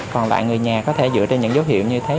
còn lại người nhà có thể dựa trên những dấu hiệu như thế